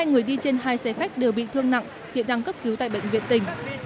hai người đi trên hai xe khách đều bị thương nặng hiện đang cấp cứu tại bệnh viện tỉnh